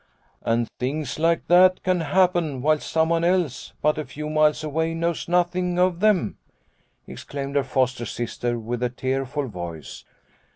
" And things like that can happen whilst someone else, but a few miles away, knows nothing of them," exclaimed her foster sister, with a tearful voice.